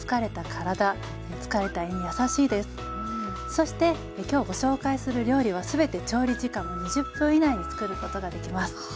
そして今日ご紹介する料理は全て調理時間も２０分以内につくることができます。